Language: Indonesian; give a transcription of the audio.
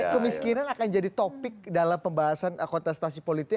kemiskinan akan jadi topik dalam pembahasan kontestasi politik